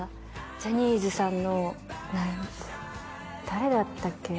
ジャニーズさんの誰だったっけ？